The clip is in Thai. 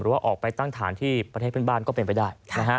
ว่าออกไปตั้งฐานที่ประเทศเพื่อนบ้านก็เป็นไปได้